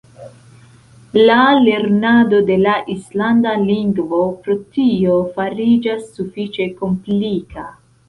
La lernado de la islanda lingvo pro tio fariĝas sufiĉe komplika.